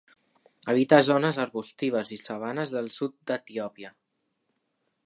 Habita zones arbustives i sabanes del sud d'Etiòpia.